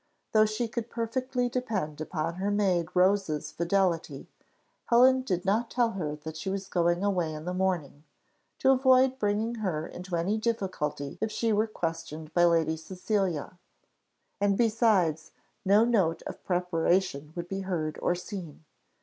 Though she could perfectly depend upon her maid Rose's fidelity, Helen did not tell her that she was going away in the morning, to avoid bringing her into any difficulty if she were questioned by Lady Cecilia; and besides, no note of preparation would be heard or seen.